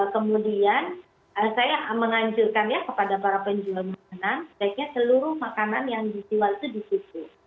kemudian saya menganjurkan ya kepada para penjual makanan baiknya seluruh makanan yang dijual itu ditutup